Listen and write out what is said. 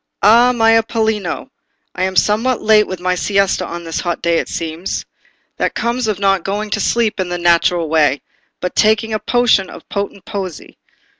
"Ah, my Apollino! I am somewhat late with my siesta on this hot day, it seems. That comes of not going to sleep in the natural way, but taking a potion of potent poesy.